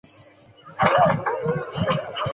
黑天竺鱼为天竺鲷科天竺鱼属的鱼类。